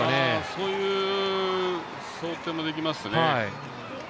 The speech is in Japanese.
そういう想定もできますね。